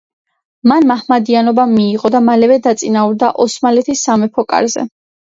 მან მაჰმადიანობა მიიღო და მალევე დაწინაურდა ოსმალეთის სამეფო კარზე.